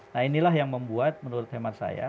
nah inilah yang membuat menurut hemat saya